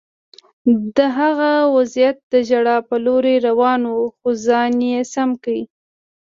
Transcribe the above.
د هغه وضعیت د ژړا په لور روان و خو ځان یې سم کړ